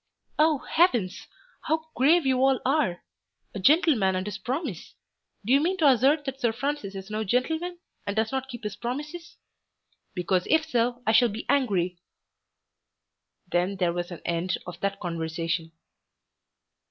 "Oh heavens, how grave you all are! A gentleman and his promise! Do you mean to assert that Sir Francis is no gentleman, and does not keep his promises? Because if so I shall be angry." Then there was an end of that conversation.